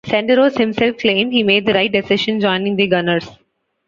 Senderos himself claimed he made the right decision joining the Gunners.